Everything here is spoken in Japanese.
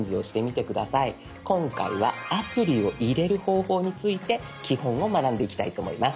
今回はアプリを入れる方法について基本を学んでいきたいと思います。